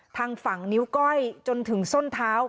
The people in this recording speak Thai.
ทางฝั่งนิ้วก้อยจนถึงส้นเท้า